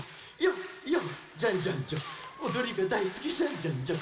おどりがだいすきジャンジャンジャン！